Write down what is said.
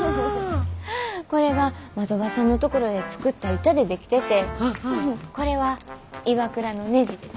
これが的場さんのところで作った板で出来ててこれはＩＷＡＫＵＲＡのねじです。